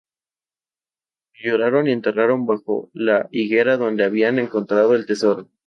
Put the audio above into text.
Lo lloraron y enterraron bajo la higuera donde habían encontrado el tesoro.